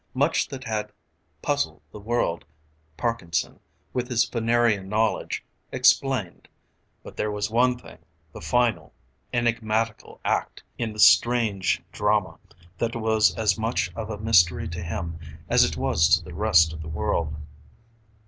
Much that had puzzled the world, Parkinson, with his Venerian knowledge, explained; but there was one thing, the final, enigmatical act in the strange drama, that was as much of a mystery to him as it was to the rest of the world.